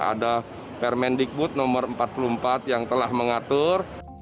ada permendikbud nomor empat puluh empat yang telah mengatur